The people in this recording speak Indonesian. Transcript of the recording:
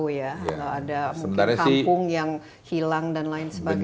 kalau ada kampung yang hilang dan lain sebagainya